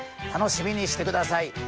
楽しみにしてください。